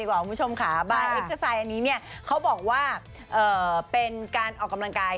เอามาที่บาร์เอ็กซาไซด์กันดีกว่าคุณผู้ชมขา